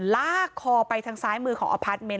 ลากคอไปทางซ้ายมือของอภัทรเมนท์